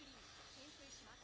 先制します。